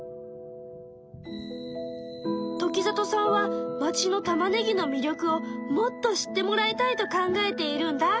時里さんは町のたまねぎのみりょくをもっと知ってもらいたいと考えているんだ。